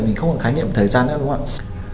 mình không còn khái niệm thời gian nữa đúng không ạ